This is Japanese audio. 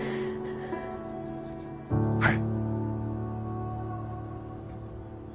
はい。